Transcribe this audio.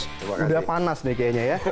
sudah panas nih kayaknya ya